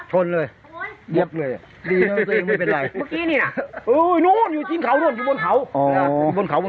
เหยียบจริงไม่เป็นไร